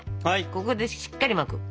ここでしっかり巻く。